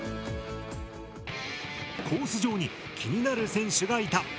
コース上に気になる選手がいた。